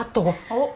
おっ。